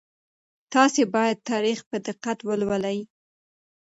تاسي باید تاریخ په دقت ولولئ.